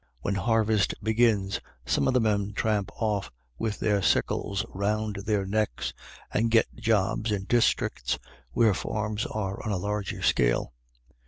When harvest begins, some of the men tramp off with their sickles round their necks, and get jobs in districts where farms are on a larger scale.